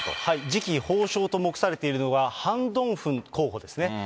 次期法相ともくされているのが、ハン・ドンフン候補ですね。